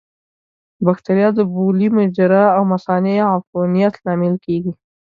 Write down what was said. بکتریا د بولي مجرا او مثانې عفونت لامل کېږي.